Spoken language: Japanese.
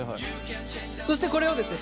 そしてこれをですね